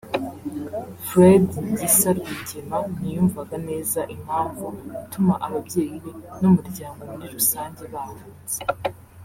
Fred Gisa Rwigema ntiyumvaga neza impamvu ituma ababyeyi be n’umuryango muri rusange bahunze